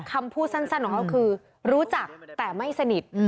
คำพูดสั้นของเขาคือรู้จักแต่ไม่สนิท